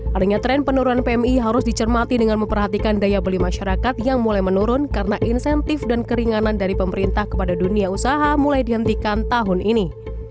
adanya tren penurunan pmi harus dicermati dengan memperhatikan daya beli masyarakat yang mulai menurun karena insentif dan keringanan dari pemerintah kepada dunia usaha mulai dihentikan tahun ini